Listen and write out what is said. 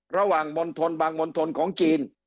ระหว่างมนทรบางมนทรของจีน